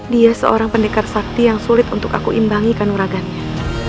dia seorang pendekar sakti yang sulit untuk aku imbangi kanuragannya